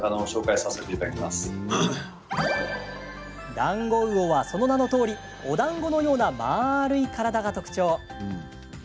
ダンゴウオは、その名のとおりおだんごのような丸い体が特徴。